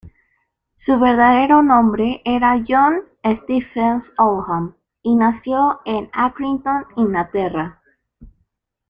Su verdadero nombre era John Stephens Oldham, y nació en Accrington, Inglaterra.